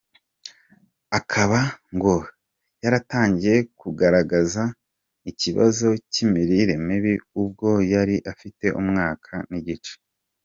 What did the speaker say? Akaba ngo yaratangiye kugaragaza ikibazo cy’imirire mibi ubwo yari afite umwaka n’igice.